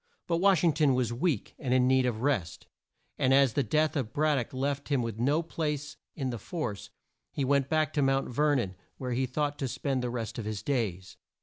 But Wash ing ton was weak, and in need of rest, and as the death of Brad dock left him with no place in the force, he went back to Mount Ver non where he thought to spend the rest of his days.